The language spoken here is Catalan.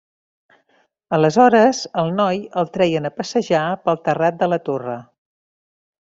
Aleshores, el noi el treien a passejar pel terrat de la Torre.